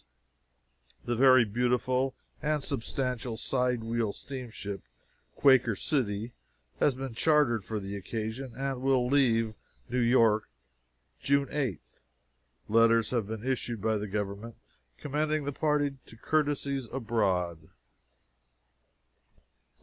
The very beautiful and substantial side wheel steamship "__Quaker City__" has been chartered for the occasion, and will leave New York June 8th. Letters have been issued by the government commending the party to courtesies abroad.